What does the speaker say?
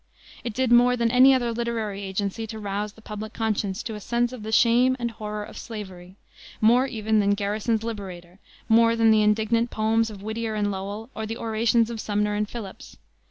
It did more than any other literary agency to rouse the public conscience to a sense of the shame and horror of slavery; more even than Garrison's Liberator; more than the indignant poems of Whittier and Lowell or the orations of Sumner and Phillips.